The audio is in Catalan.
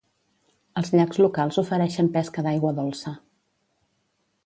Els llacs locals ofereixen pesca d'aigua dolça.